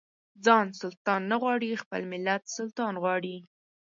ځان سلطان نه غواړي خپل ملت سلطان غواړي.